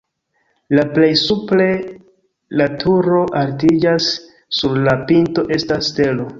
La plej supre la turo altiĝas, sur la pinto estas stelo.